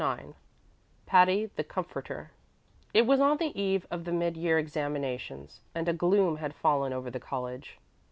IX Patty the Comforter It was on the eve of the mid year examinations, and a gloom had fallen over the college.